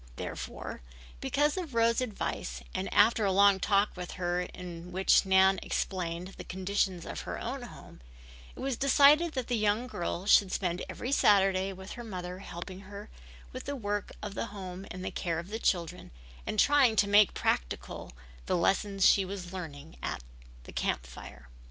Therefore, because of Rose's advice and after a long talk with her in which Nan explained the conditions of her own home, it was decided that the young girl should spend every Saturday with her mother helping her with the work of the home and the care of the children, and trying to make practical the lessons she was learning in the Camp Fire.